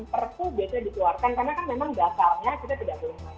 perpu biasanya dikeluarkan karena kan memang